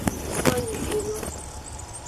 Soyijilo.